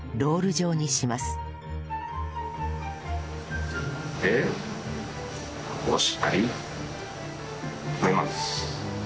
そしてここをしっかり留めます。